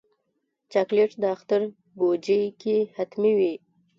چاکلېټ د اختر بوجۍ کې حتمي وي.